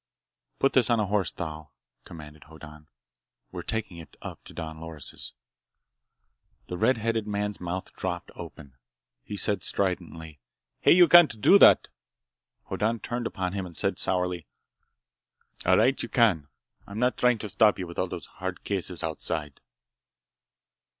"Put this on a horse, Thal," commanded Hoddan. "We're taking it up to Don Loris'." The red headed man's mouth dropped open. He said stridently: "Hey! You can't do that!" Hoddan turned upon him and he said sourly: "All right, you can. I'm not trying to stop you with all those hard cases outside!"